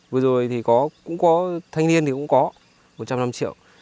vừa rồi thì cũng có thanh niên thì cũng có một trăm linh năm triệu